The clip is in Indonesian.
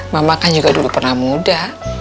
mama kan juga dulu pernah muda